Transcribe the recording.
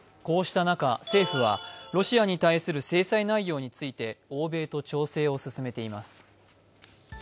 こうした中、政府はロシアに対する制裁内容について欧米と調整を進めています。